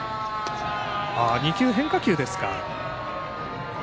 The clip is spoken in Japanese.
２球、変化球ですか。